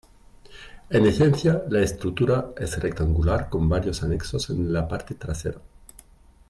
En esencia, la estructura es rectangular, con varios anexos en la parte trasera.